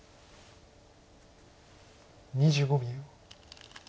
２５秒。